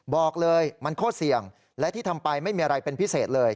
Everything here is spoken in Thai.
บอกเลยมันโคตรเสี่ยงและที่ทำไปไม่มีอะไรเป็นพิเศษเลย